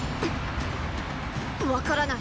分からない。